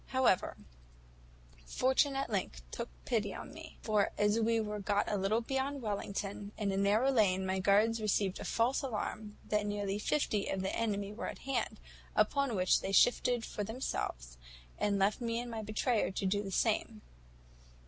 However, fortune at length took pity on me; for as we were got a little beyond Wellington, in a narrow lane, my guards received a false alarm, that near fifty of the enemy were at hand; upon which they shifted for themselves, and left me and my betrayer to do the same.